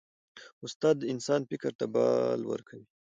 استاد د انسان فکر ته بال ورکوي.